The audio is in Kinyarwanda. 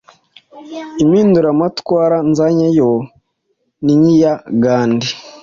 Impinduramatwara nzanye yo ni nkiya ghandi